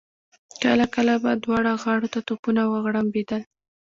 کله کله به دواړو غاړو ته توپونه وغړمبېدل.